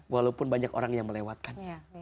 walaupun banyak orang yang melewatkannya